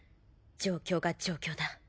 状況が状況だ。